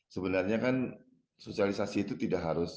sebenarnya kan sosialisasi itu tidak harus